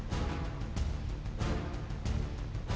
harus sabar menjabat